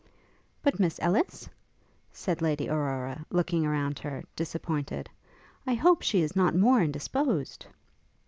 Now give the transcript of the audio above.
'But Miss Ellis?' said Lady Aurora, looking around her, disappointed; 'I hope she is not more indisposed?'